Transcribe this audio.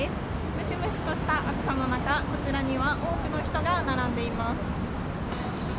ムシムシとした暑さの中、こちらには、多くの人が並んでいます。